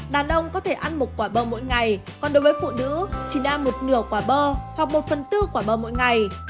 đàn ông có thể ăn một quả bơ mỗi ngày còn đối với phụ nữ chỉ đa một nửa quả bơ hoặc một phần tư quả bơ mỗi ngày